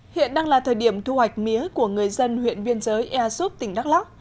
hiện đang là thời điểm thu hoạch mía của người dân huyện biên giới ea súp tỉnh đắk lắc